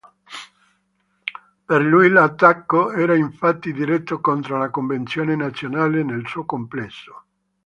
Per lui l'attacco era infatti diretto contro la Convenzione nazionale nel suo complesso.